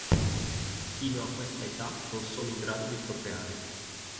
Fino a questa età, non sono in grado di procreare.